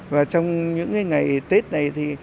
và trong những cái ngày tết này thì